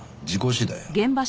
事故死だよ。